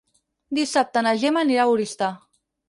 Dissabte na Gemma anirà a Oristà.